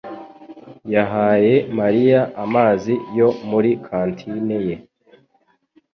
yahaye Mariya amazi yo muri kantine ye.